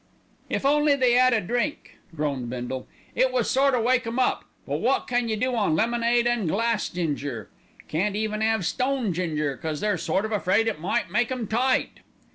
"If they only 'ad a drink," groaned Bindle, "it would sort o' wake 'em up; but wot can you do on lemonade and glass ginger. Can't even 'ave stone ginger, because they're sort of afraid it might make 'em tight."